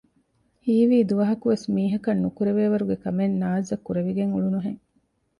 ހީވީ ދުވަހަކުވެސް މީހަކަށް ނުކުރެވޭވަރުގެ ކަމެއް ނާޒްއަށް ކުރެވިގެން އުޅުނުހެން